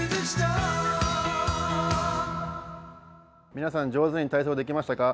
皆さん、上手に体操できましたか？